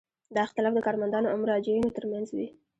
دا اختلاف د کارمندانو او مراجعینو ترمنځ وي.